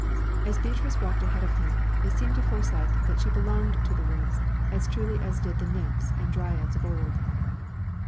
As Beatrice walked ahead of him, it seemed to Forsyth that she belonged to the woods, as truly as did the nymphs and dryads of old.